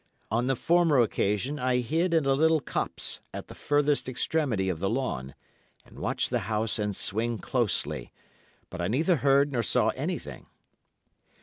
On the former occasion I hid in a little copse at the furthest extremity of the lawn, and watched the house and swing closely, but I neither heard nor saw anything.